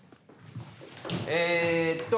ええっと